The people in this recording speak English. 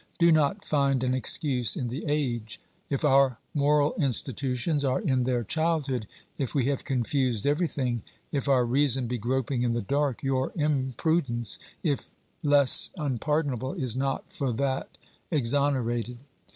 Do not find an excuse in the age. If our moral institutions are in their childhood, if we have confused everything, if our reason be groping in the dark, your imprudence, if less unpardon able, is not for that exonerated.